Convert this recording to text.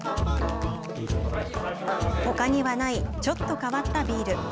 ほかにはない、ちょっと変わったビール。